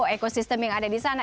ekosistem yang ada di sana